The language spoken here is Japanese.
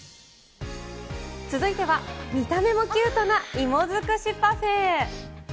続いては、見た目もキュートな芋尽くしパフェ。